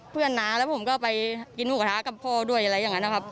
น้าแล้วผมก็ไปกินหมูกระทะกับพ่อด้วยอะไรอย่างนั้นนะครับ